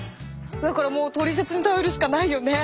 だからもうトリセツに頼るしかないよね。